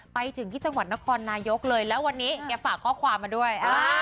ไปถึงที่จังหวัดนครนายกเลยแล้ววันนี้แกฝากข้อความมาด้วย